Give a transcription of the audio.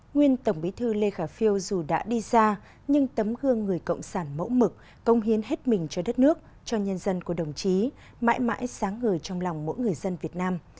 nguyên tổng bí thư lê khả phiêu dù đã đi ra nhưng tấm gương người cộng sản mẫu mực công hiến hết mình cho đất nước cho nhân dân của đồng chí mãi mãi sáng ngời trong lòng mỗi người dân việt nam